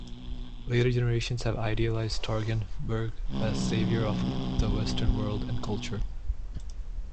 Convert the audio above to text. Later generations have idealized Starhemberg as saviour of the Western world and culture.